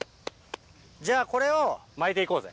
じゃあこれをまいて行こうぜ。